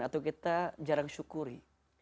atau kita jarang syukuri